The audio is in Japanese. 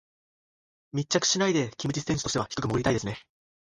密着しないでキム・ジス選手としては低く潜りたいですね。